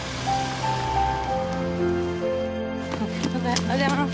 おはようございます。